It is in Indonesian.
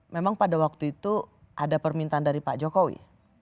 memang pada waktu itu ada permintaan dari pak jokowi